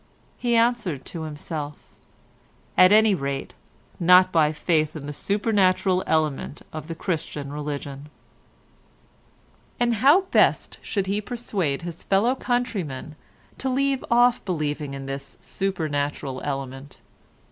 He answered to himself, "At any rate not by faith in the supernatural element of the Christian religion." And how should he best persuade his fellow countrymen to leave off believing in this supernatural element?